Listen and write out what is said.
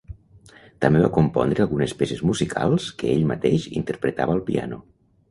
També va compondre algunes peces musicals que ell mateix interpretava al piano.